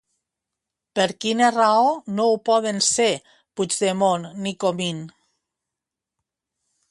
Per quina raó no ho poden ser Puigdemont ni Comin?